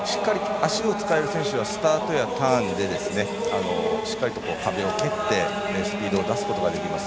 足を使える選手はスタートやターンでしっかりと壁を蹴ってスピードを出すことができます。